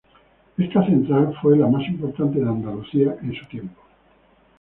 Esta central fue la más importante de Andalucía en su día.